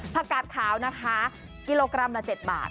กาดขาวนะคะกิโลกรัมละ๗บาท